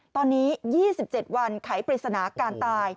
ตอนนี้๒๗วันไขปริศนาการตาย